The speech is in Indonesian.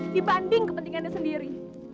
dibanding kepentingannya sendiri